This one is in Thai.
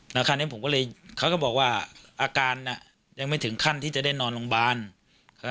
แล้วคราวนี้ผมก็เลยเขาก็บอกว่าอาการน่ะยังไม่ถึงขั้นที่จะได้นอนโรงพยาบาล